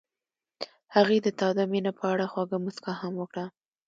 هغې د تاوده مینه په اړه خوږه موسکا هم وکړه.